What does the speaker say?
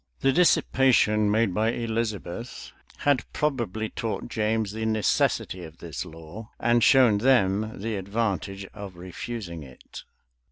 [*] The dissipation made by Elizabeth had probably taught James the necessity of this law, and shown them the advantage of refusing it.